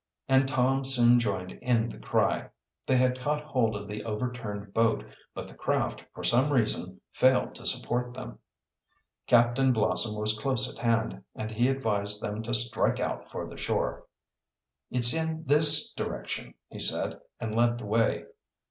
And Tom soon joined in the cry. They had caught hold of the overturned boat, but the craft, for some reason, failed to support them. Captain Blossom was close at hand, and he advised them to strike out for the shore. "It's in this direction," he said, and led the way.